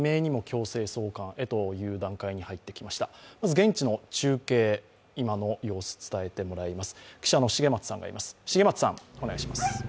現地の中継、今の様子伝えてもらいます。